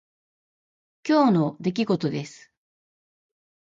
今日の出来事です。